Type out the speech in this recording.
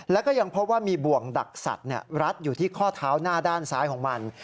แล้วก็ยังพบว่ามีบ่วงดักสัตว์รัดอยู่ที่ข้อเท้าหน้าด้านซ้ายของมัน